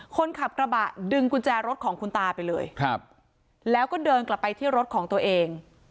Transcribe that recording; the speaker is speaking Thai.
คนขับกระบะดึงกุญแจรถของคุณตาไปเลยครับแล้วก็เดินกลับไปที่รถของตัวเอง